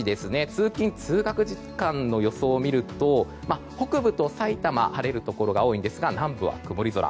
通勤・通学時間の予想を見ると北部と埼玉晴れるところが多いんですが南部は曇り空。